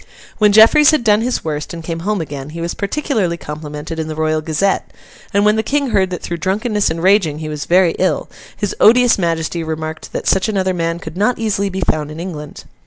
When Jeffreys had done his worst, and came home again, he was particularly complimented in the Royal Gazette; and when the King heard that through drunkenness and raging he was very ill, his odious Majesty remarked that such another man could not easily be found in England.